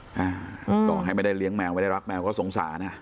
ต่อให้ไม่ได้เลี้ยงแมวไม่ได้รักแมวก็สงสารอ่ะ